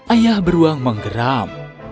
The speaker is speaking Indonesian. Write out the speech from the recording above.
ayah beruang menggeram